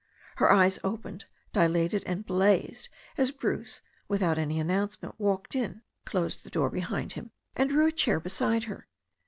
Her eyes opened, dilated and blazed as Bruce without any announcement walked in, closed the door behind him, and drew a chair beside her.